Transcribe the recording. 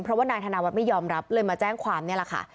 เพราะว่านายธนวัฒน์ไม่ยอมรับเลยมาแจ้งความนี่แหละค่ะ